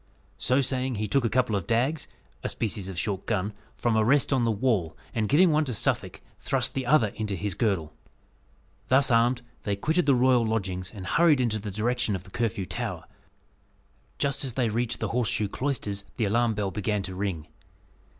So saying, he took a couple of dags a species of short gun from a rest on the wall, and giving one to Suffolk, thrust the other into his girdle. Thus armed, they quitted the royal lodgings, and hurried in the direction of the Curfew Tower. Just as they reached the Horseshoe Cloisters, the alarm bell began to ring.